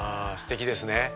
あぁすてきですね。